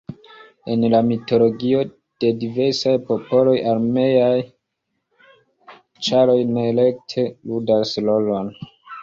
En la mitologio de diversaj popoloj armeaj ĉaroj nerekte ludas rolon.